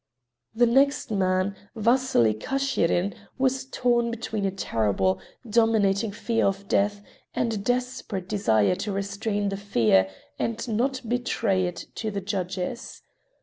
The next man, Vasily Kashirin, was torn between a terrible, dominating fear of death and a desperate desire to restrain the fear and not betray it to the judges.